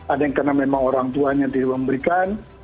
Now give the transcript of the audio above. ada yang karena memang orang tuanya dihubungkan